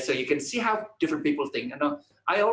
jadi anda bisa lihat bagaimana orang lain berpikir